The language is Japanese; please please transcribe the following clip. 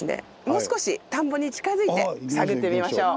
もう少し田んぼに近づいて探ってみましょう。